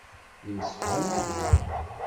Yemsefham yid-wen.